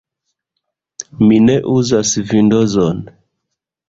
Mi ne uzas Vindozon.